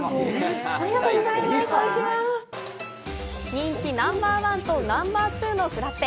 人気ナンバー１とナンバー２のフラッペ！